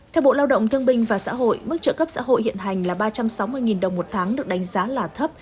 theo bộ lao động thương binh và xã hội mức trợ cấp xã hội hiện hành là ba trăm sáu mươi đồng một tháng được đánh giá là thấp